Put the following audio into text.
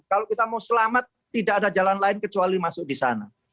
kalau kita mau selamat tidak ada jalan lain kecuali masuk di sana